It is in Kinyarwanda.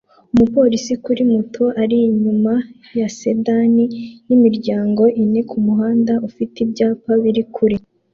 Umupolisi kuri moto ari inyuma ya sedan yimiryango ine kumuhanda ufite ibyapa biri kure